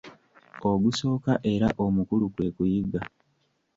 Ogusooka era omukulu kwe kuyiga.